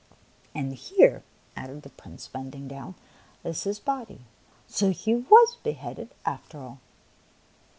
" And here," added the Prince, bending down, " is his body. So he was beheaded after all